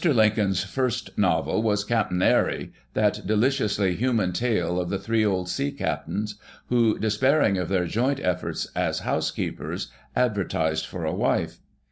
Lincoln's first novel was "Cap'n Eri," that deliciously human tale of the three old sea cap'ns who, despairing of their joint efforts as housekeepers, advertised for a wife.